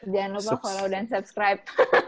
jangan lupa follow dan subscribe